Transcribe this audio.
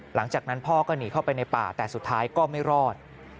หลังจากนั้นพ่อก็หนีเข้าไปในป่าแต่สุดท้ายก็ไม่รอด